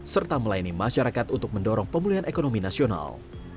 serta melayani masyarakat untuk mendorong pemulihan ekonomi nasional